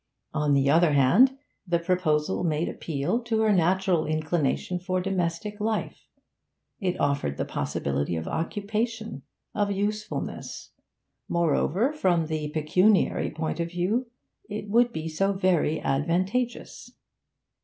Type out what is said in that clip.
On the other hand, the proposal made appeal to her natural inclination for domestic life; it offered the possibility of occupation, of usefulness. Moreover, from the pecuniary point of view, it would be so very advantageous.